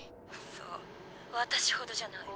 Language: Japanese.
そう私ほどじゃない。